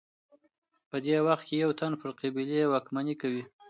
په دې وخت کي یو تن پر قبیلې واکمني کوي.